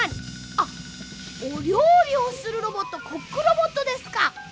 あっおりょうりをするロボットコックロボットですか！